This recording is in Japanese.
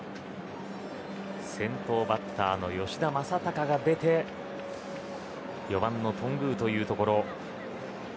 先頭バッターの吉田正尚が出て４番の頓宮というところ。